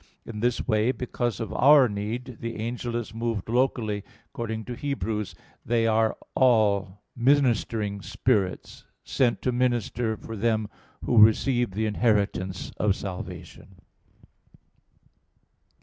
In this way, because of our need, the angel is moved locally, according to Heb. 1:14: "They are all [*Vulg.: 'Are they not all ...?'] ministering spirits, sent to minister for them who receive the inheritance of salvation."